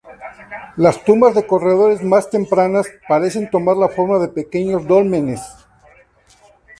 Las tumbas de corredor más tempranas parecen tomar la forma de pequeños dólmenes.